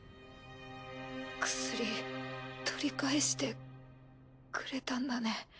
薬取り返してくれたんだね。